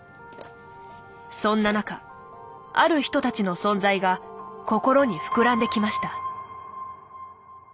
そんな中ある人たちの存在が心に膨らんできました。